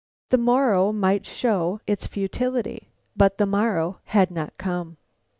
The morrow might show its futility, but the morrow had not come.